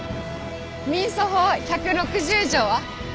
民訴法１６０条は？